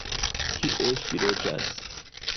Kie ŝi loĝas?